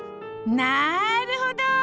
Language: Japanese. なるほど！